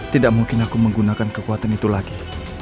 tidak mungkin aku menggunakan kekuatan itu lagi